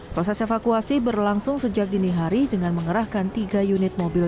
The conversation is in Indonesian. proses evakuasi berlangsung sejak dini hari dengan mengerahkan tiga unit mobil